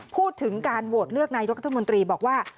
พูดถึงการโหวตเลือกนายกรัฐมนตรีบอกว่า